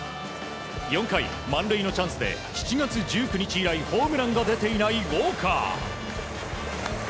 ４回、満塁のチャンスで７月１９日以来ホームランが出ていないウォーカー。